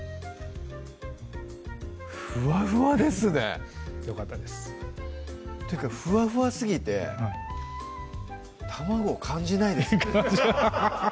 ふわふわですねよかったですてかふわふわすぎて卵を感じないですね